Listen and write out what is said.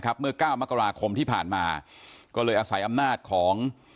เมื่อเก้ามกราคมที่ผ่านมาก็เลยอาศัยอำนาจของ